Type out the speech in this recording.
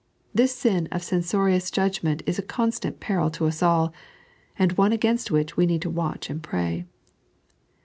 This sin of censorious judgment is a constant peril to us all, and one against which we need to watch and pray.